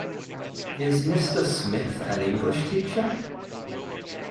is Mr. Smith an English teacher?